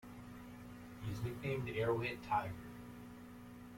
He is nicknamed "Arrow-hit Tiger".